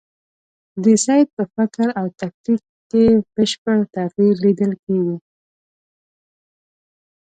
د سید په فکر او تاکتیک کې بشپړ تغییر لیدل کېږي.